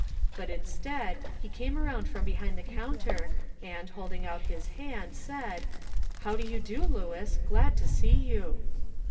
but instead, he came around from behind the counter, and, holding out his hand, said, "How do you do, Lewis? Glad to see you."